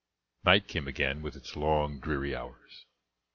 Night came again with its long, dreary hours.